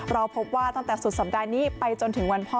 เราพบว่าตั้งแต่สุดสัปดาห์นี้ไปจนถึงวันพ่อ